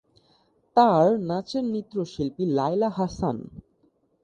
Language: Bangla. তার নাচের নৃত্যশিল্পী লায়লা হাসান।